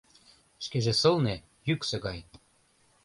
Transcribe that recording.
Шкеже сылне — йӱксӧ гай.